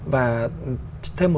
và thêm một số thông tin là